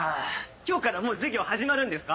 今日からもう授業始まるんですか？